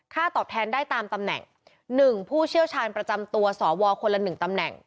ตอบแทนได้ตามตำแหน่ง๑ผู้เชี่ยวชาญประจำตัวสวคนละ๑ตำแหน่ง